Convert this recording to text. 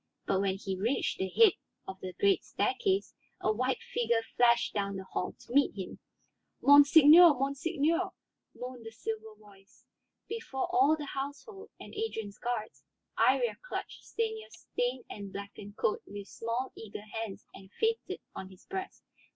But when he reached the head of the great staircase a white figure flashed down the hall to meet him. "Monseigneur, monseigneur," moaned the silver voice. Before all the household, and Adrian's guards, Iría clutched Stanief's stained and blackened coat with small, eager hands and fainted on his breast.